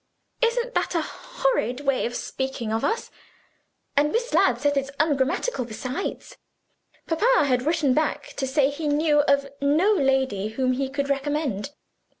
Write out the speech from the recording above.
Isn't that a horrid way of speaking of us? and Miss Ladd says it's ungrammatical, besides. Papa had written back to say he knew of no lady whom he could recommend.